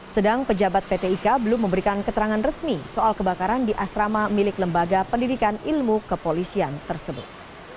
sedang pejabat pt ika belum memberikan keterangan resmi soal kebakaran di asrama milik lembaga pendidikan ilmu kepolisian tersebut